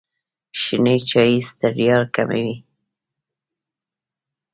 شنې چایی ستړیا کموي.